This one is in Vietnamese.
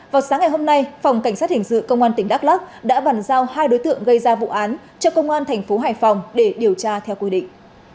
vào sáng ngày hôm nay phòng cảnh sát hình sự công an tỉnh đắk lắc đã bàn giao hai đối tượng gây ra vụ án cho công an thành phố hải phòng để điều tra theo quy định